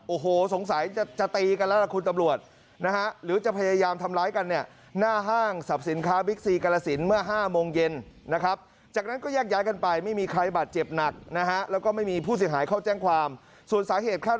โอ้โหสงสัยจะตีกันแล้วล่ะคุณตำรวจ